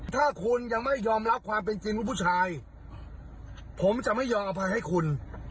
ถ้าคุณยังไม่ยอมรับความเป็นจริงว่าผู้ชายผมจะไม่ยอมอภัยให้คุณ